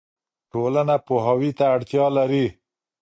ټولنه پوهاوي ته اړتیا لري.